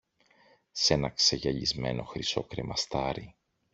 σ' ένα ξεγυαλισμένο χρυσό κρεμαστάρι